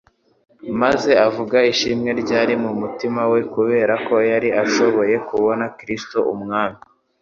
maze avuga ishimwe ryari mu mutima we kubera ko yari ashoboye kubona Kristo Umwami.